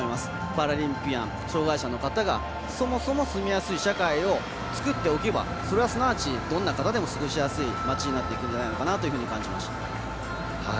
パラリンピアン、障がいの方がそもそも住みやすい社会を作っておけばそれはすなわちどんな方でも過ごしやすい世界になるのではないかと感じました。